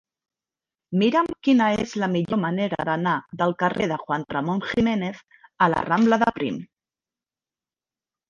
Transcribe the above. Mira'm quina és la millor manera d'anar del carrer de Juan Ramón Jiménez a la rambla de Prim.